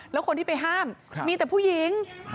แล้วคนที่ไปห้ามมีแต่ผู้หญิง